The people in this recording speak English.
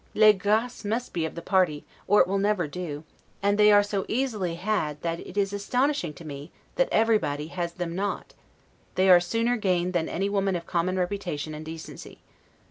Les graces must be of the party, or it will never do; and they are so easily had, that it is astonishing to me that everybody has them not; they are sooner gained than any woman of common reputation and decency.